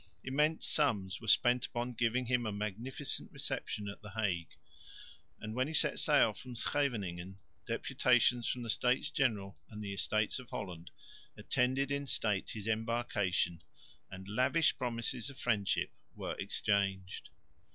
Immense sums were spent upon giving him a magnificent reception at the Hague; and, when he set sail from Scheveningen, deputations from the States General and the Estates of Holland attended in state his embarkation and lavish promises of friendship were exchanged.